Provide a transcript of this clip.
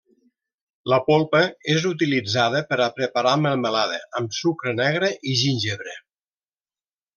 La polpa és utilitzada per a preparar melmelada amb sucre negre i gingebre.